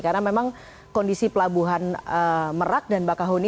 karena memang kondisi pelabuhan merak dan bakahuni